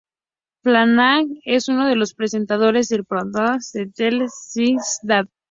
Flanagan es uno de los presentadores del podcast "Tell 'Em Steve-Dave!